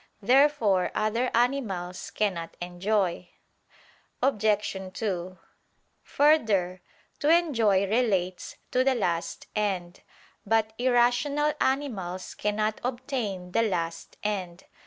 Therefore other animals cannot enjoy. Obj. 2: Further, to enjoy relates to the last end. But irrational animals cannot obtain the last end.